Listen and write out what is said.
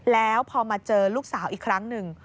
แล้วพอมาเจอลูกสาวอีกครั้งหนึ่ง